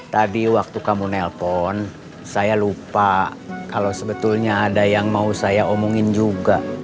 tadi waktu kamu nelpon saya lupa kalau sebetulnya ada yang mau saya omongin juga